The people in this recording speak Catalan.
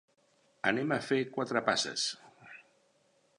Anem a fer quatre passes.